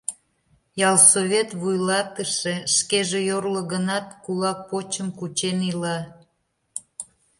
Ялсовет вуйлатыше шкеже йорло гынат, кулак почым кучен ила.